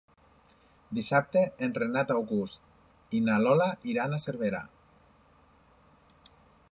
Dissabte en Renat August i na Lola iran a Cervera.